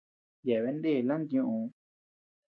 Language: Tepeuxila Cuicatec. Yeabean nde lanti ñuu.